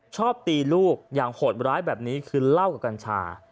ชอบตีลูกอย่างโหดร้ายแบบนี้คือเหล้ากับกัญชา